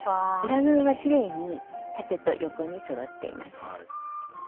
裏側がきれいに縦と横にそろっています。